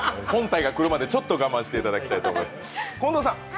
本体が来るまでちょっと我慢していただきたいと思います。